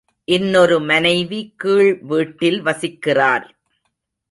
இன்னொரு மனைவி கீழ் வீட்டில் வசிக்கிறார்.